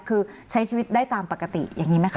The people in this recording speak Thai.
คือใช้ชีวิตได้ตามปกติอย่างนี้ไหมคะ